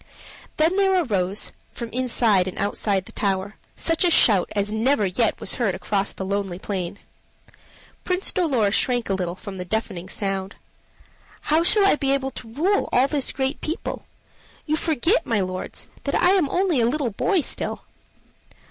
Then there arose, from inside and outside the tower, such a shout as never yet was heard across the lonely plain. Prince Dolor shrank a little from the deafening sound. "How shall I be able to rule all this great people? You forget, my lords, that I am only a little boy still."